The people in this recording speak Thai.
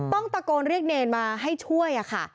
ต้องตะโกนเรียกเนรมาให้ช่วยค่ะ